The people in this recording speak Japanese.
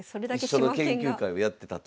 一緒の研究会をやってたという。